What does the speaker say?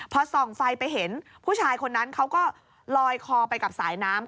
พอส่องไฟไปเห็นผู้ชายคนนั้นเขาก็ลอยคอไปกับสายน้ำ